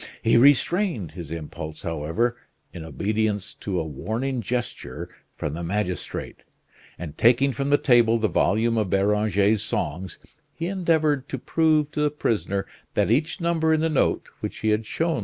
He restrained his impulse, however, in obedience to a warning gesture from the magistrate, and taking from the table the volume of Beranger's songs, he endeavored to prove to the prisoner that each number in the note which he had shown M.